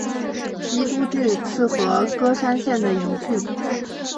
伊都郡是和歌山县的一郡。